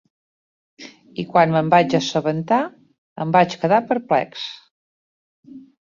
I quan me'n vaig assabentar, em vaig quedar perplex.